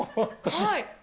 はい。